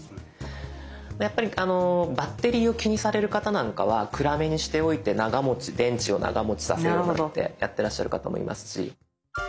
やっぱりバッテリーを気にされる方なんかは暗めにしておいて長持ち電池を長持ちさせようってやってらっしゃる方もいますし。